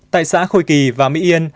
tại xã khôi kỳ và mỹ yên